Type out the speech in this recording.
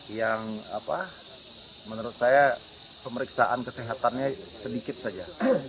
yang menurut saya pemeriksaan kesehatannya sedikit saja